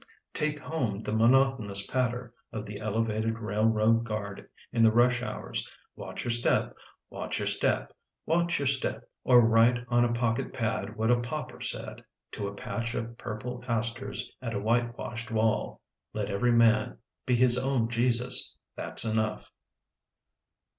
Take home the monotonous patter Of the elevated railroad guard in the rush hours: " Watch your step. Watch your step. Watch your step." Or write on a pocket pad what a pauper said To a patch of purple asters at a whitewashed wall: " Let every man be his own Jesus — that's enough."